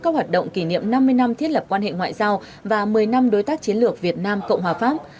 các hoạt động kỷ niệm năm mươi năm thiết lập quan hệ ngoại giao và một mươi năm đối tác chiến lược việt nam cộng hòa pháp